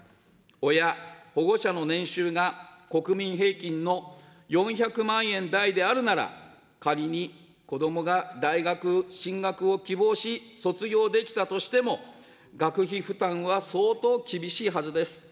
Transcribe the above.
親、保護者の年収が、国民平均の４００万円台であるなら、仮に子どもが大学進学を希望し、卒業できたとしても学費負担は相当厳しいはずです。